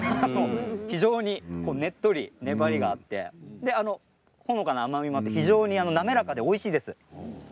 非常に、ねっとり粘りがあってほのかな甘みもあって非常に滑らかでおいしいです。